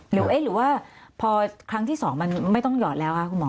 หรือว่าพอครั้งที่๒มันไม่ต้องหอดแล้วคะคุณหมอ